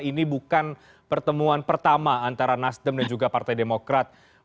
ini bukan pertemuan pertama antara nasdem dan juga partai demokrat